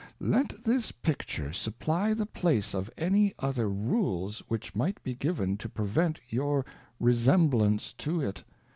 Let this Picture supply the place of any other Rules which might be given to prevent your resemblance to it.